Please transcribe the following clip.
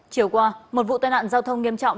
chiều qua một vụ tai nạn giao thông nghiêm trọng